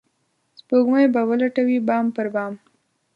سپوږمۍ به ولټوي بام پر بام